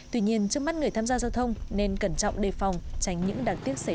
tuy nhiên trước mắt người tham gia giao thông nên cẩn trọng đề phòng tránh những đáng tiếc xảy ra